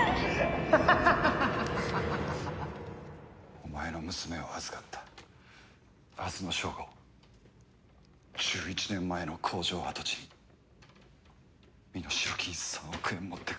「お前の娘を預かった」「明日の正午１１年前の工場跡地に身代金３億円持ってこい」。